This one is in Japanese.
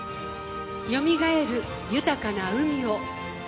よみがえる豊かな海を。